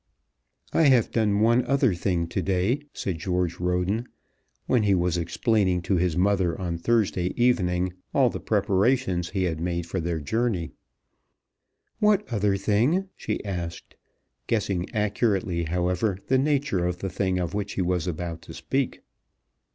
"I have done one other thing to day," said George Roden, when he was explaining to his mother on Thursday evening all the preparations he had made for their journey. "What other thing?" she asked, guessing accurately, however, the nature of the thing of which he was about to speak.